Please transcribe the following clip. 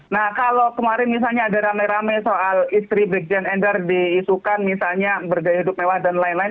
nah kalau kemarin misalnya ada rame rame soal istri brigjen endar diisukan misalnya bergaya hidup mewah dan lain lain